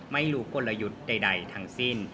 ไม่รู้กลยุทธ์ใดทั้งสิ้น